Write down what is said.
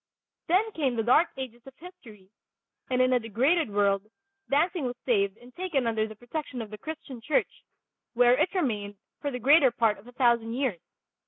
Then came the Dark Ages of history, and in a degraded world dancing was saved and taken under the protection of the Christian church, where it remained for the greater part of a thousand years.